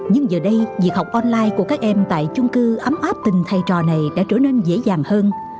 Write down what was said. nhưng giờ đây việc học online của các em tại chung cư ấm áp tình thầy trò này đã trở nên dễ dàng hơn